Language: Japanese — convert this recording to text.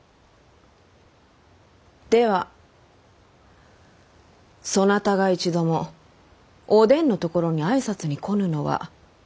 ではそなたが一度もお伝のところに挨拶に来ぬのは？